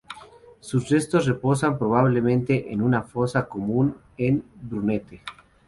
Sus restos reposan probablemente en una fosa común en Brunete.